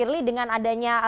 pak firly dengan adanya